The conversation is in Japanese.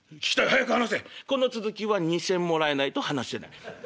「この続きは２銭もらえないと話せない」。